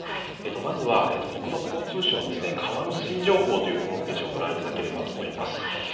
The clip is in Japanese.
まずは国土交通省の川の水位情報というホームページをご覧いただければと思います。